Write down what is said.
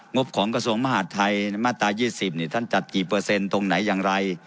บของกระทรวงมหาดไทยมาตรา๒๐ท่านจัดกี่เปอร์เซ็นต์ตรงไหนอย่างไร